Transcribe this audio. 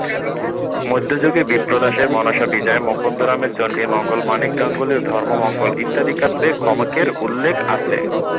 মধ্যযুগে বিপ্রদাসের মনসাবিজয়, মুকুন্দরামের চন্ডীমঙ্গল, মানিক গাঙ্গুলির ধর্মমঙ্গল ইত্যাদি কাব্যে খমকের উল্লেখ আছে।